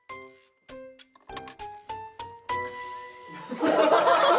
ハハハハ！